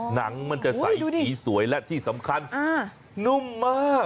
หนังมันจะใสสีสวยและที่สำคัญนุ่มมาก